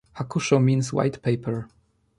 "Hakusho" means "white paper".